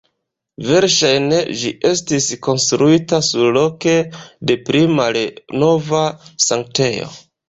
Verŝajne, ĝi estis konstruita surloke de pli malnova sanktejo.